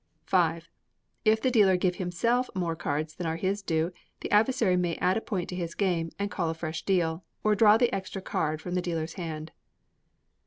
v. If the dealer give himself more cards than are his due, the adversary may add a point to his game, and call a fresh deal, or draw the extra cards from the dealer's hand.